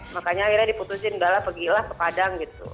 makanya akhirnya diputusin gala pergilah ke padang gitu